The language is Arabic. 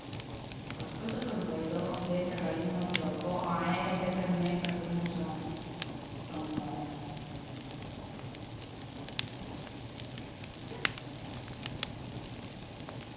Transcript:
القطط البيضاء ذات العيون الزرقاء عادة ما تكون صمّاء.